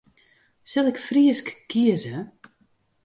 Sil ik Frysk kieze?